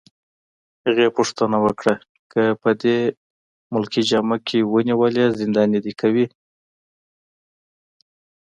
هغې پوښتنه وکړه: که په دې ملکي جامه کي ونیولې، زنداني دي کوي؟